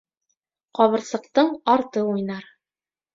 Ҡыбырсыҡтың арты уйнар.